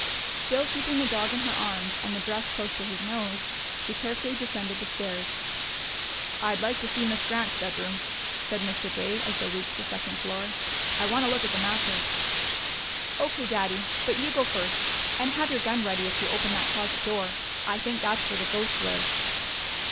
Still keeping the dog in her arms and the dress close to his nose, she carefully descended the stairs. "I'd like to see Miss Grant's bedroom," said Mr. Gay as they reached the second floor. "I want a look at the mattress." "O.K., Daddy. But you go first. And have your gun ready if you open that closet door. I think that's where the ghosts live."